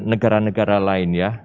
negara negara lain ya